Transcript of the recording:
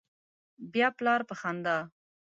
بیا پلار په خندا